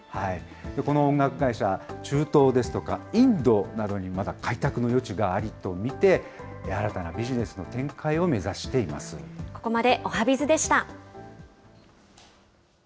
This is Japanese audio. この音楽会社、中東ですとかインドなどにまだ開拓の余地がありと見て、新たなビジネスの展開を目ここまでおはＢｉｚでした。